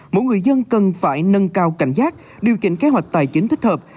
mỗi người dân cần phải nâng cao cảnh giác điều chỉnh kế hoạch tài chính thích hợp